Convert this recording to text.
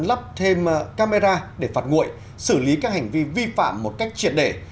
lắp thêm camera để phạt nguội xử lý các hành vi vi phạm một cách triệt để